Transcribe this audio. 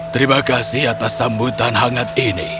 terima kasih atas sambutan hangat ini